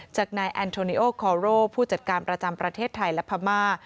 จากนายแอนโทนิโอคอโรผู้จัดการประจำประเทศไทยและพม่า